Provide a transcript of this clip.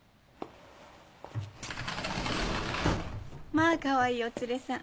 まぁかわいいお連れさん。